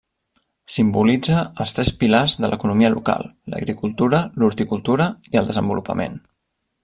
Simbolitza els tres pilars de l'economia local: l'agricultura, l'horticultura i el desenvolupament.